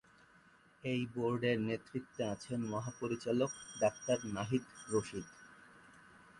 এই বোর্ডের নেতৃত্বে আছেন মহাপরিচালক ডাক্তার নাহিদ রশীদ।